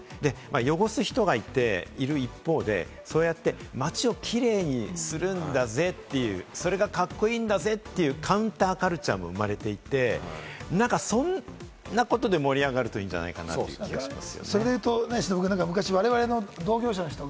汚す人がいる一方で、そうやって街をキレイにするんだぜっていう、それがカッコいいだぜ！というカウンターカルチャーも生まれていて、なんかそんなことで盛り上がるといいんじゃないかなって気がします。